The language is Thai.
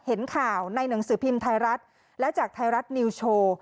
เห็นข่าวในหนังสือพิมพ์ไทยรัฐและจากไทยรัฐนิวโชว์